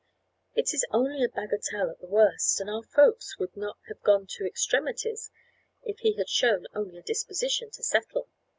"It is only a bagatelle at the worst, and our folks would not have gone to extremities if he had shown only a disposition to settle.